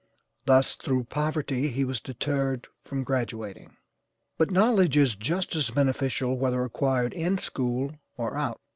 Thus through poverty he was deterred from graduating, but knowledge is just as beneficial, whether acquired in school or out.